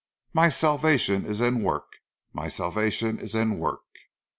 "My salvation is in work, my salvation is in work!"